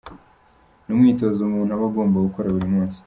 Ni umwitozo umuntu aba agomba gukora buri munsi.